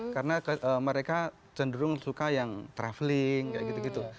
karena mereka cenderung suka yang travelling kayak gitu gitu